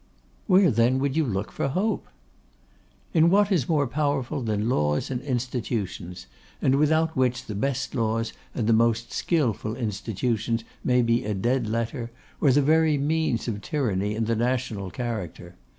'Where, then, would you look for hope?' 'In what is more powerful than laws and institutions, and without which the best laws and the most skilful institutions may be a dead letter, or the very means of tyranny in the national character.